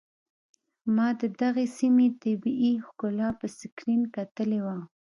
ما د دغې سيمې طبيعي ښکلا په سکرين کتلې وه.